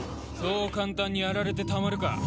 そう簡単にやられてたまるか。